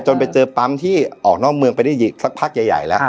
ไปเจอปั๊มที่ออกนอกเมืองไปได้อีกสักพักใหญ่แล้ว